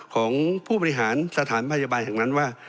ของผู้บริหารสถานพยาบาลแห่งนั้นว่า